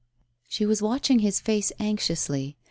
She was watching his face anxiously.